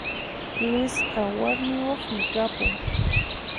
Luisqa warmiyoqmi kapun